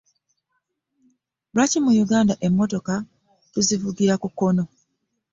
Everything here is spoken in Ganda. Lwaki mu Uganda emmotoka tuzivugira ku kkono?